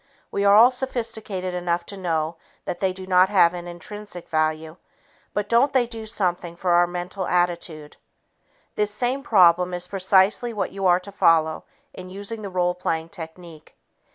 We are all sophisticated enough to know that they do not have an intrinsic value, but don't they do something for our mental attitude? This same pattern is precisely what you are to follow in using the role playing technique.